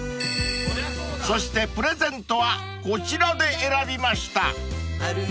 ［そしてプレゼントはこちらで選びました］